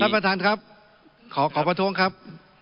ประธานครับขอประท้วงครับ